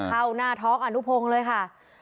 เข้าหน้าท้องอนุพงศ์เลยค่ะ